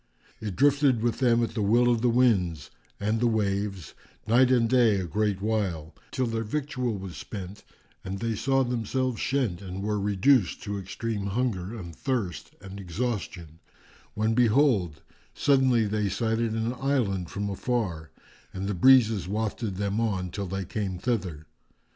It drifted with them at the will of the winds and the waves, night and day a great while, till their victual was spent and they saw themselves shent and were reduced to extreme hunger and thirst and exhaustion, when behold, suddenly they sighted an island from afar and the breezes wafted them on, till they came thither.